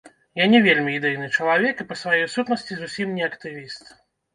Я не вельмі ідэйны чалавек і па сваёй сутнасці зусім не актывіст.